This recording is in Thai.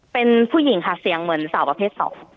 เป็นผู้หญิงค่ะเสียงเหมือนสาวประเภทสอง